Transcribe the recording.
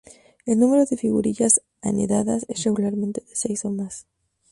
El número de figurillas anidadas es regularmente de seis o más.